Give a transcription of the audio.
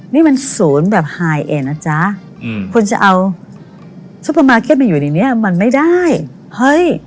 นี่มันศูนย์แบบอืมคุณจะเอามาอยู่ในเนี้ยมันไม่ได้เฮ้ย